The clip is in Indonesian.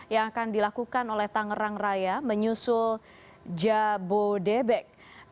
yang akan dilakukan oleh tangerang raya menyusul jabodebek